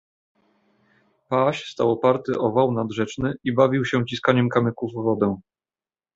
"Paź stał oparty o wał nadrzeczny i bawił się ciskaniem kamyków w wodę."